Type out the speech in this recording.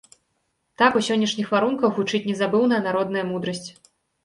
Так у сённяшніх варунках гучыць незабыўная народная мудрасць.